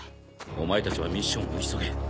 お前たちはミッションを急げ。